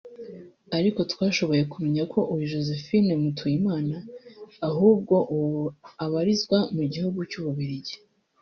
Ariko twashoboye kumenya ko uyu Josephine Mutuyimana ahubwo ubu abarizwa mu gihugu cy’u Bubiligi